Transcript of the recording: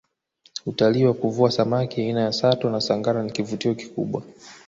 utalii wa kuvua samaki aina ya sato na sangara ni kivutio kikubwa